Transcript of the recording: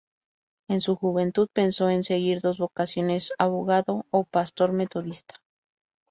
En su juventud, pensó en seguir dos vocaciones, abogado o pastor metodista.